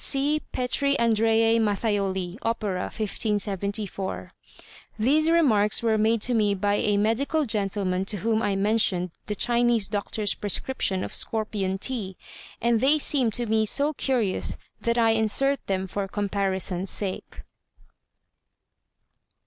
(See Petri Andreæ Matthioli "Opera," 1574.) These remarks were made to me by a medical gentleman to whom I mentioned the Chinese doctor's prescription of scorpion tea, and they seem to me so curious that I insert them for comparison's sake.